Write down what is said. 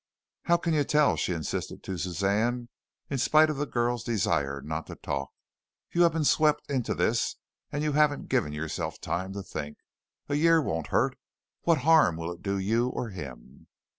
"How can you tell?" she insisted to Suzanne, in spite of the girl's desire not to talk. "You have been swept into this, and you haven't given yourself time to think. A year won't hurt. What harm will it do you or him?"